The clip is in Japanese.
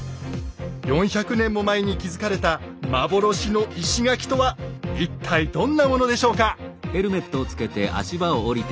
４００年も前に築かれた幻の石垣とは一体どんなものでしょうか。